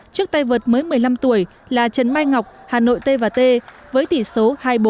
trước tay vợt mới một mươi năm tuổi là trần mai ngọc hà nội t và t với tỷ số hai mươi bốn